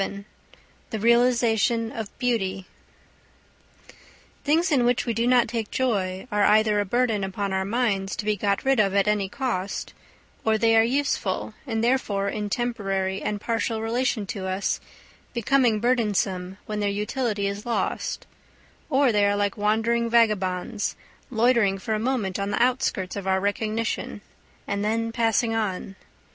VII THE REALISATION OF BEAUTY Things in which we do not take joy are either a burden upon our minds to be got rid of at any cost; or they are useful, and therefore in temporary and partial relation to us, becoming burdensome when their utility is lost; or they are like wandering vagabonds, loitering for a moment on the outskirts of our recognition, and then passing on.